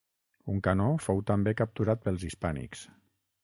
Un canó fou també capturat pels hispànics.